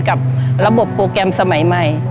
กับระบบโปรแกรมสมัยใหม่